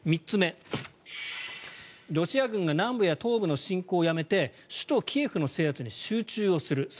３つ目、ロシア軍が南部や東部の侵攻をやめて首都キエフの制圧に集中する。